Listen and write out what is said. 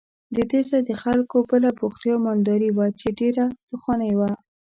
د دې ځای د خلکو بله بوختیا مالداري وه چې ډېره پخوانۍ وه.